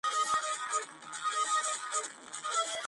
მისი სახელი მინიჭებული აქვს ერევნის დრამატულ თეატრს.